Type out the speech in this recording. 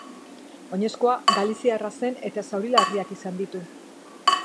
Oinezkoa galiziarra zen eta zauri larriak izan ditu.